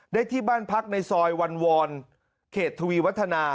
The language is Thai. ได้ที่บ้านพักในซอยวันวรเขตทวีวัฒนา